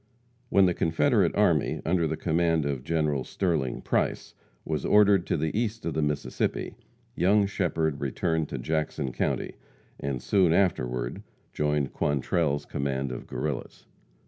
When the Confederate army, under the command of General Sterling Price, was ordered to the east of the Mississippi, young Shepherd returned to Jackson county, and soon afterward joined Quantrell's command of Guerrillas.